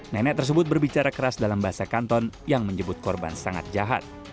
nenek tersebut berbicara keras dalam bahasa kanton yang menyebut korban sangat jahat